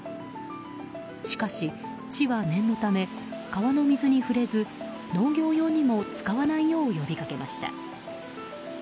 しかし、市は念のため川の水に触れず農業用にも使わないよう呼びかけました。